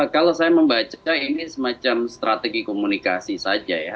kalau saya membaca ini semacam strategi komunikasi saja ya